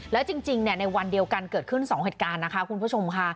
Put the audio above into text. แล้วจริงในวันเดียวกันเกิดขึ้น๒เหตุการณ์นะคะคุณผู้ชมค่ะ